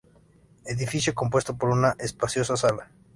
Edificio compuesto por una espaciosa sala.